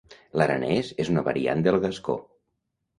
L'aranès és una variant del gascó.